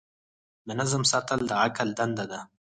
د نظم ساتل د عقل دنده ده.